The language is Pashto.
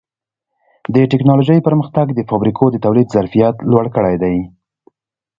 د ټکنالوجۍ پرمختګ د فابریکو د تولید ظرفیت لوړ کړی دی.